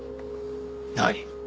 何？